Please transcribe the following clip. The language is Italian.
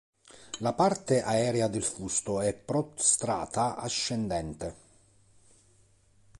La parte aerea del fusto è prostrata-ascendente.